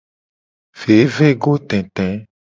Vevegotete.